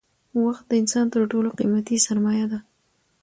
وخت د انسان تر ټولو قیمتي سرمایه ده